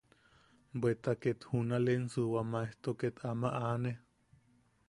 Bweta ket junalensu wa maejto ket ama anne.